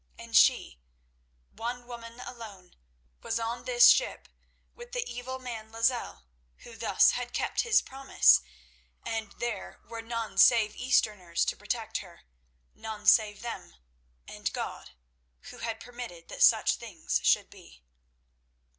And she—one woman alone—was on this ship with the evil man Lozelle, who thus had kept his promise, and there were none save Easterns to protect her, none save them—and God, Who had permitted that such things should be.